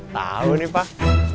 tau nih pak